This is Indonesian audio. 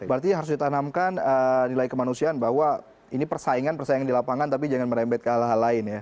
berarti harus ditanamkan nilai kemanusiaan bahwa ini persaingan persaingan di lapangan tapi jangan merembet ke hal hal lain ya